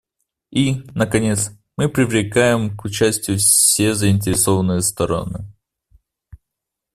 И, наконец, мы привлекаем к участию все заинтересованные стороны.